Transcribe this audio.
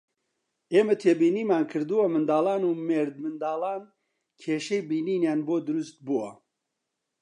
ئێمە تێبینیمان کردووە منداڵان و مێردمنداڵان کێشەی بینینیان بۆ دروستبووە